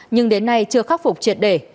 nhưng đến nay chưa khắc phục triệt đề